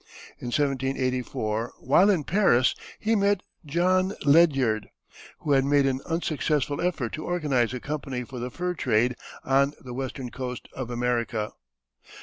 In 1784, while in Paris, he met John Ledyard, who had made an unsuccessful effort to organize a company for the fur trade on the western coast of America.